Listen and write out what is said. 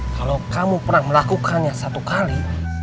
kalau kamu pernah melakukannya satu kali